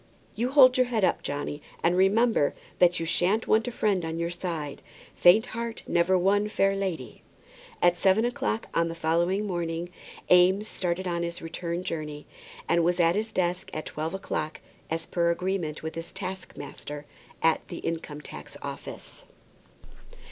You hold your head up, Johnny, and remember that you shan't want a friend on your side. Faint heart never won fair lady." At seven o'clock on the following morning Eames started on his return journey, and was at his desk at twelve o'clock, as per agreement with his taskmaster at the Income tax Office.